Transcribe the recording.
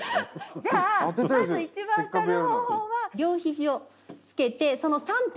じゃあまず一番当たる方法は両肘をつけてその３点で。